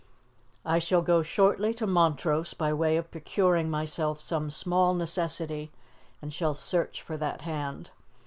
I shall go shortly to Montrose by way of procuring myself some small necessity, and shall search for that hand.